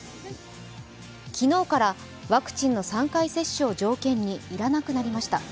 昨日からワクチンの３回接種を条件に要らなくなりました。